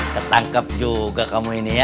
ketangkap juga kamu ini ya